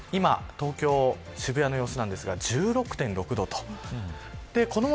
東京、渋谷の様子ですが１６．６度です。